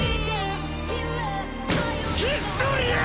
ヒストリアアア！！！